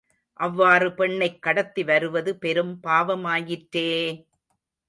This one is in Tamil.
அவ்வாறு பெண்ணைக் கடத்திவருவது பெரும் பாவமாயிற்றே!